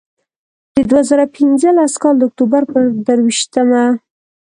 د دوه زره پینځلس کال د اکتوبر پر درویشتمه.